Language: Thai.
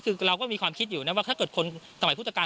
คือเราก็มีความคิดอยู่นะว่าถ้าเกิดคนสมัยพุทธกาล